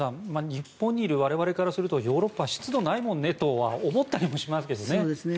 日本にいる我々からするとヨーロッパ湿度ないもんねとは思ったりもしますけどね。